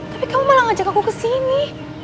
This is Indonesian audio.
tapi kamu malah ngajak aku ke sini